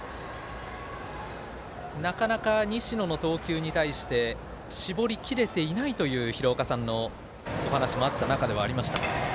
なかなか、西野の投球に対して絞りきれていないという廣岡さんのお話もあった中ではありましたが。